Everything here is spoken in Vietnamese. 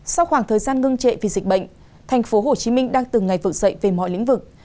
sau khoảng thời gian ngưng trệ vì dịch bệnh thành phố hồ chí minh đang từng ngày vực dậy về mọi lĩnh vực